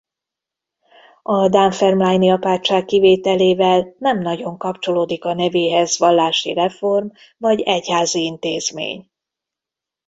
A dunfermline-i apátság kivételével nem nagyon kapcsolódik a nevéhez vallási reform vagy egyházi intézmény.